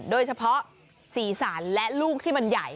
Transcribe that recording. โดยเฉพาะสีสันและลูกที่มันใหญ่